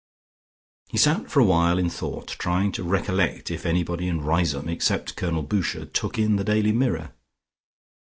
He sat for a while in thought, trying to recollect if anybody in Riseholme except Colonel Boucher took in the "Daily Mirror."